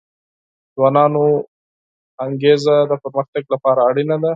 د ځوانانو انګیزه د پرمختګ لپاره اړینه ده.